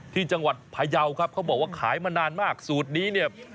ที่จังหวัดพยาวครับเขาบอกว่าขายมานานมากสูตรนี้เนี่ย